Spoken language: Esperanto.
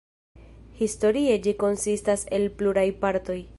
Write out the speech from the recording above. Historie ĝi konsistas el pluraj partoj.